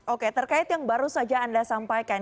oke terkait yang baru saja anda sampaikan